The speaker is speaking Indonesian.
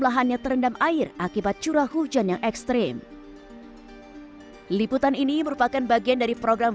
lahannya terendam air akibat curah hujan yang ekstrim liputan ini merupakan bagian dari program